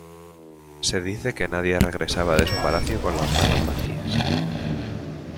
Se dice que nadie regresaba de su palacio con las manos vacías.